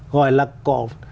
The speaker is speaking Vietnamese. gọi là có